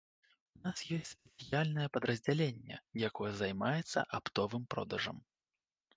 У нас ёсць спецыяльнае падраздзяленне, якое займаецца аптовым продажам.